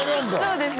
そうです